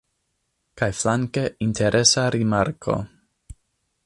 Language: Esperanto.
Kaj flanke interesa rimarko